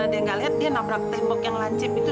karena dia nggak lihat dia nabrak tembok yang lancip itu